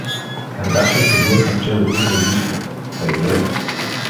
Кардашев се блъсна в челото с въздишка, па излезе.